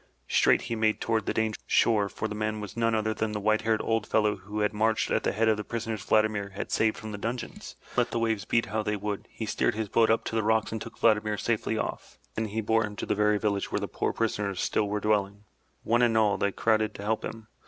Straight he made toward the dangerous shore, for the man was none other than the white haired old fellow who had marched at the head of the prisoners Vladimir had saved from the dungeons. And let the waves beat how they would, he steered his boat up to the rocks and took Vladimir safely off. Then he bore him to the very village where the poor prisoners still were dwelling. One and all, they crowded to help him.